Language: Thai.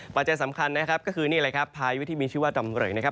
ปัจจัยสำคัญนะครับก็คือนี่แหละครับพายุที่มีชื่อว่าดำเริงนะครับ